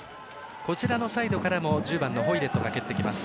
こちらサイドからも１０番のホイレットが蹴ってきます。